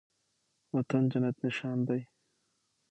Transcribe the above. وطن جنت نښان دی